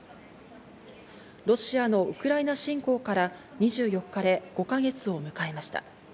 ロシアのウクライナ侵攻から２４日で５か月を迎えました。